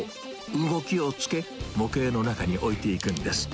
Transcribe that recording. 動きをつけ、模型の中に置いていくんです。